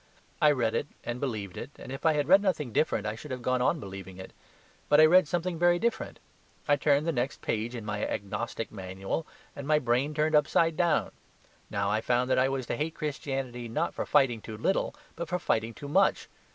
I read it and believed it, and if I had read nothing different, I should have gone on believing it. But I read something very different. I turned the next page in my agnostic manual, and my brain turned up side down. Now I found that I was to hate Christianity not for fighting too little, but for fighting too much.